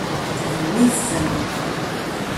Hennit-ten.